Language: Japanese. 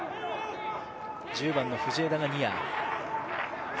１０番の藤枝がニア。